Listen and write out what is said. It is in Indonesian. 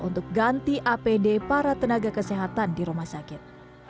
untuk ganti apd para tenaga kesehatan di rumah sakit